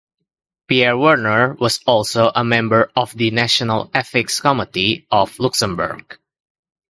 Pierre Werner was also a member of the National Ethics Committee of Luxembourg.